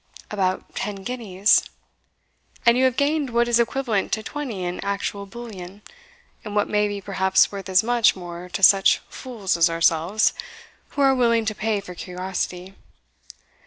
"About ten guineas." "And you have gained what is equivalent to twenty in actual bullion, and what may be perhaps worth as much more to such fools as ourselves, who are willing to pay for curiosity.